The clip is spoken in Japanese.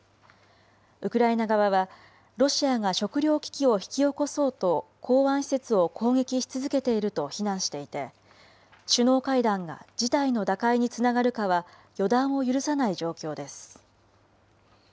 ウクライナ側は、ロシアが食料危機を引き起こそうと港湾施設を攻撃し続けていると非難していて、首脳会談が事態の打開につながるかは予断を許さない状況です。